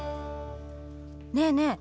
ねえねえ